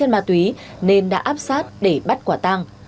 mà tùy nên đã áp sát để bắt quả tăng